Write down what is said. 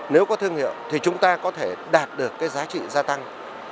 nếu có thương hiệu thì chúng ta có thể đạt được cái giá trị gia tăng